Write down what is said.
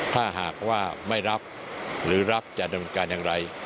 ถ้าหากว่าไม่รับหรือรับจะดำเนินการอย่างไร